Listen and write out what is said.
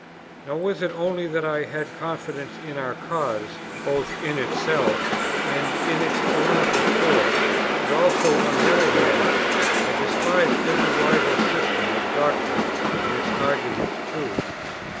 Nor was it only that I had confidence in our cause, both in itself, and in its polemical force, but also, on the other hand, I despised every rival system of doctrine and its arguments too.